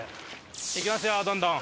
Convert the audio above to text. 行きますよどんどん！